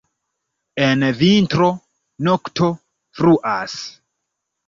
En vintro, nokto fruas.